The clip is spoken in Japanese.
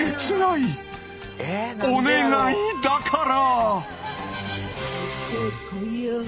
お願いだから。